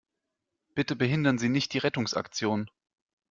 Bitte behindern Sie nicht die Rettungsaktion!